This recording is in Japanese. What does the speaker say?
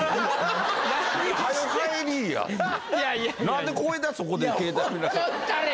何で小枝そこで携帯見ながら。